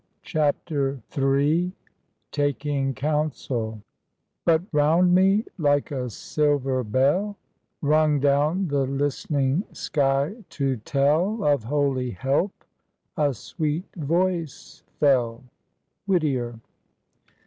CHAPTER III TAKING COUNSEL "But round me, like a silver bell Rung down the listening sky to tell Of holy help, a sweet voice fell." WHITTIER.